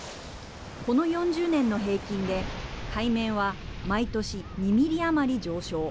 この４０年の平均で、海面は毎年２ミリ余り上昇。